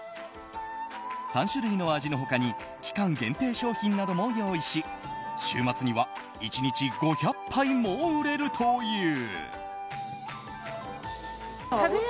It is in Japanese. ３種類の味の他に期間限定商品なども用意し週末には１日５００杯も売れるという。